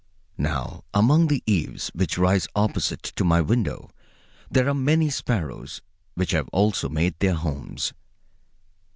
Now, among the eaves which rise opposite to my window there are many sparrows which have also made their homes.